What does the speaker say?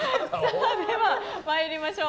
では参りましょう。